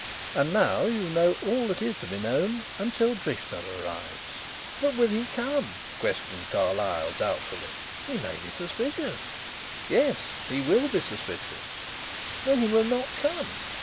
"And now you know all that is to be known until Drishna arrives." "But will he come?" questioned Carlyle doubtfully. "He may be suspicious." "Yes, he will be suspicious." "Then he will not come."